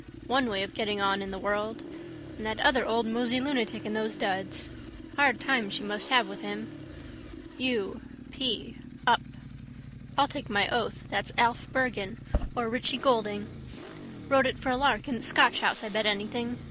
One way of getting on in the world. And that other old mosey lunatic in those duds. Hard time she must have with him. U. p: up. I'll take my oath that's Alf Bergan or Richie Goulding. Wrote it for a lark in the Scotch house I bet anything.